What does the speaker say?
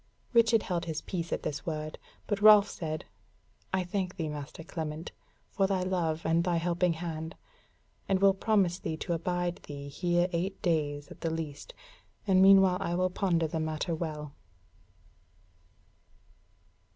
Richard held his peace at this word, but Ralph said: "I thank thee, Master Clement, for thy love and thy helping hand; and will promise thee to abide thee here eight days at the least; and meanwhile I will ponder the matter well."